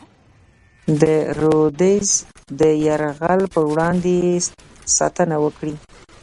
د رودز د یرغل پر وړاندې یې ساتنه وکړي.